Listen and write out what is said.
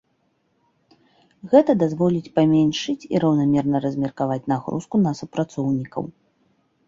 Гэта дазволіць паменшыць і раўнамерна размеркаваць нагрузку на супрацоўнікаў.